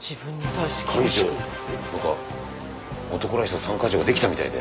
幹事長なんか男らしさ３か条ができたみたいで。